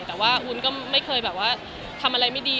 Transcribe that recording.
แต่ว่าวุ้นก็ไม่เคยแบบว่าทำอะไรไม่ดี